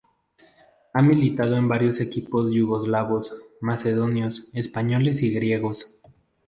Ha militado en varios equipos yugoslavos, macedonios, españoles y griegos.